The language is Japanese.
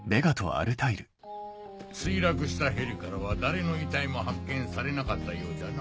墜落したヘリからは誰の遺体も発見されなかったようじゃな。